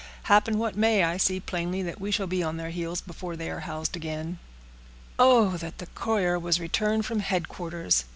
Happen what may, I see plainly that we shall be on their heels before they are housed again." "Oh! that the courier was returned from headquarters!"